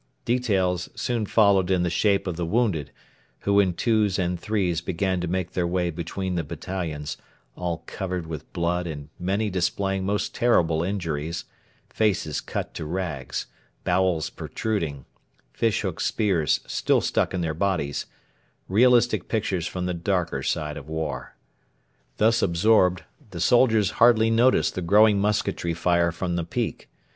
Details soon followed in the shape of the wounded, who in twos and threes began to make their way between the battalions, all covered with blood and many displaying most terrible injuries faces cut to rags, bowels protruding, fishhook spears still stuck in their bodies realistic pictures from the darker side of war. Thus absorbed, the soldiers hardly noticed the growing musketry fire from the peak.